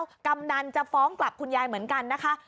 แล้วกำนันจะฟ้องกลับคุณยายเหมือนกันนะคะ